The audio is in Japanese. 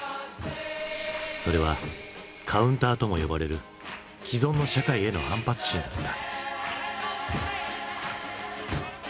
それは「カウンター」とも呼ばれる既存の社会への反発心だった。